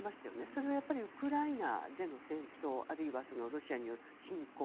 それは、ウクライナでの戦争あるいはロシアによる侵攻。